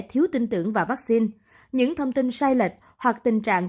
thiếu tin tưởng vào vaccine những thông tin sai lệch hoặc tình trạng